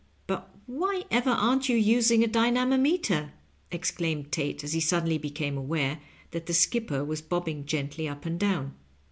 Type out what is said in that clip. '*" But why ever aren't you using a dynamometer ?" exclaimed Tate, as he suddenly became aware that the skipper was bobbing gently up and down.